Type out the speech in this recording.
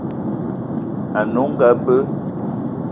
Ane onga be.